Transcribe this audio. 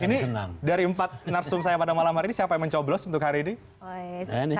ini dari empat narasum saya pada malam hari ini siapa yang mencoblos untuk hari ini